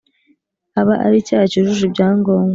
aba ari icyaha cyujuje ibyangombwa.